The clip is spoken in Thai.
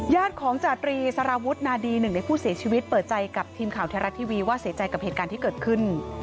ญาติของจาตรีสารวุฒนาดีหนึ่งในผู้เสียชีวิตเปิดใจกับทีมข่าวแท้รัฐทีวีว่าเสียใจกับเหตุการณ์ที่เกิดขึ้น